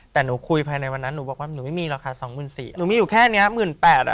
แต่หนูคุยภายในวันนั้นหนูบอกว่าหนูไม่มีราคา๒๔๐๐๐บาทหนูไม่อยู่แค่นี้๑๘๐๐๐บาท